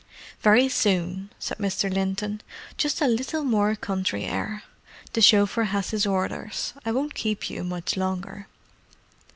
"Very soon," said Mr. Linton. "Just a little more country air. The chauffeur has his orders: I won't keep you much longer."